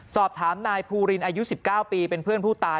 สอบถามนายภูรินอายุ๑๙ปีเป็นเพื่อนผู้ตาย